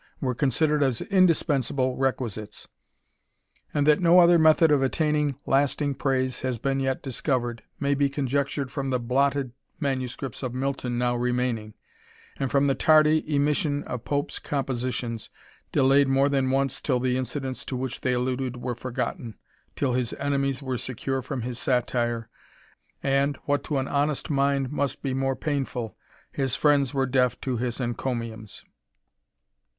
ER. 177 ^Hhsidered as indispensable requisites ; and that no l^^ethod of attaining lasting praise has been yet covered, may be conjcciured from the blotted manu ipts of Milton now remaining, and from the tardy lission of Pope's compositions, delayed more than once the incidents to which they alluded were forgotten, his enemies were secure from his satire, and, what to honest mind must be more painful, his friends were »ftO his encomiums.